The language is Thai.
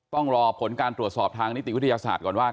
ต้องรอผลการตรวจสอบทางนิติวิทยาศาสตร์ก่อนว่า